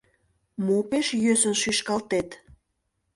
Мо пеш йӧсын шӱшкалтет?